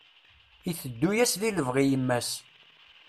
Iteddu-yas di lebɣi i yemma-s.